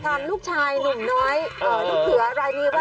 ถามลูกชายหนุ่มน้อยลูกเหลือรายมีว่า